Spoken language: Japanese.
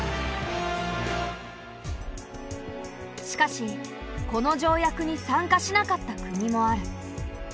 しかしこの条約に参加しなかった国もある。